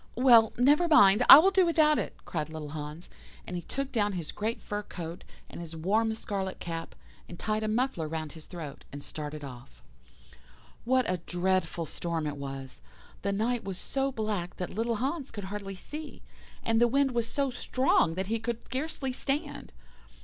"'Well, never mind, I will do without it,' cried little Hans, and he took down his great fur coat, and his warm scarlet cap, and tied a muffler round his throat, and started off. "What a dreadful storm it was! The night was so black that little Hans could hardly see, and the wind was so strong that he could scarcely stand.